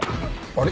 あれ？